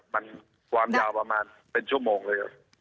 มันความยาวประมาณเป็นชั่วโมงเลย